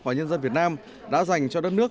và nhân dân việt nam đã dành cho đất nước